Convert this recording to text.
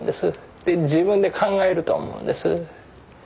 で自分で考えると思うんです。